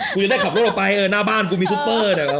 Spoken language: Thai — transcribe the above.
พูดให้ได้ขับรถลงไปหน้าบ้านกูมีตุ๊บเฟอร์